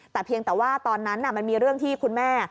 แต่เพียงแต่ว่าตอนนั้นมันมีเรื่องที่คุณแม่